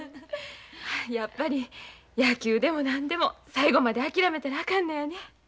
やっぱり野球でも何でも最後まで諦めたらあかんのやね。